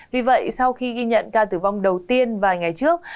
vì vậy sau khi ghi nhận ca tử vong đầu tiên vài ngày trước